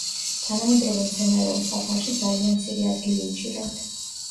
თანამედროვე მცენარეულ საფარში ძალიან მცირე ადგილი უჭირავთ.